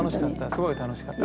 すごい楽しかった。